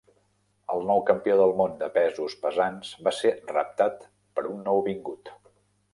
El nou campió del món de pesos pesants va ser reptat per un nouvingut.